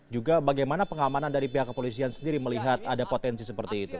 juga bagaimana pengamanan dari pihak kepolisian sendiri melihat ada potensi seperti itu